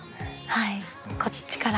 はいこっちから。